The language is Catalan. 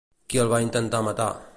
Qui el va intentar matar?